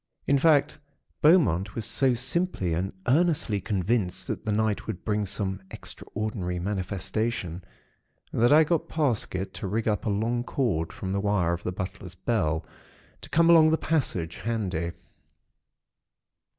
In fact, Beaumont was so simply and earnestly convinced that the night would bring some extraordinary manifestation, that I got Parsket to rig up a long cord from the wire of the butler's bell, to come along the passage handy.